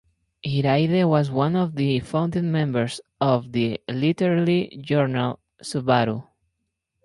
Hiraide was one of the founding members of the literary journal "Subaru".